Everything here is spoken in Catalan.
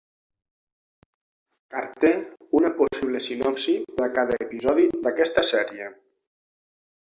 Carter, una possible sinopsi per a cada episodi d'aquesta sèrie.